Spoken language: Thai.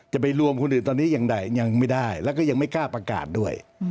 จะไปรวมคนอื่นตอนนี้อย่างใดยังไม่ได้แล้วก็ยังไม่กล้าประกาศด้วย